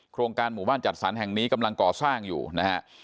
โครงการหมู่บ้านจัดสรรแห่งนี้กำลังก่อสร้างอยู่นะฮะ